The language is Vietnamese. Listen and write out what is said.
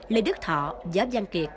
lê đức thọ giáp giang kiệt